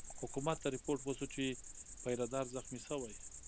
حکومت ته رپوټ وشو چې پیره دار زخمي شوی.